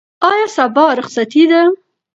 آیا سبا رخصتي ده؟